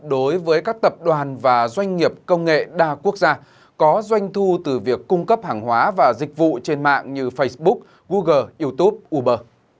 đối với các tập đoàn và doanh nghiệp công nghệ đa quốc gia có doanh thu từ việc cung cấp hàng hóa và dịch vụ trên mạng như facebook google youtube uber